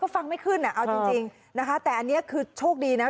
ฟังไม่ขึ้นอ่ะเอาจริงนะคะแต่อันนี้คือโชคดีนะ